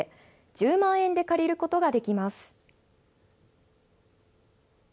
１０万円で借りることができます。